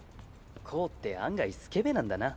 コウって案外スケベなんだな。